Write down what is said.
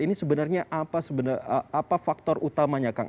ini sebenarnya apa faktor utamanya kang